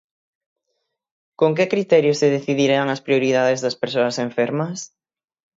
Con que criterios se decidirán as prioridades das persoas enfermas?